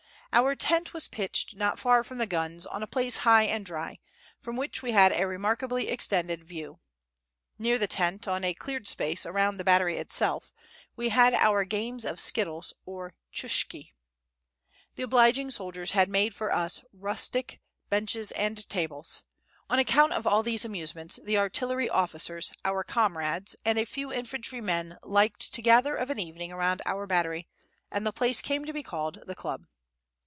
Our tent was pitched not far from the guns on a place high and dry, from which we had a remarkably extended view. Near the tent, on a cleared space, around the battery itself, we had our games of skittles, or chushki. The obliging soldiers had made for us rustic benches and tables. On account of all these amusements, the artillery officers, our comrades, and a few infantry men liked to gather of an evening around our battery, and the place came to be called the club.